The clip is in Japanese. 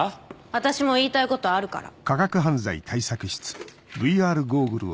私も言いたいことあるから。